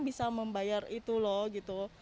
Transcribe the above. bisa membayar itu loh gitu